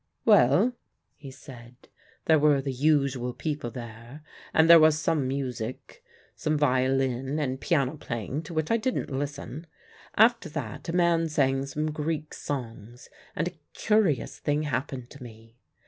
"Well," he said, "there were the usual people there, and there was some music: some violin and piano playing, to which I didn't listen. After that a man sang some Greek songs, and a curious thing happened to me.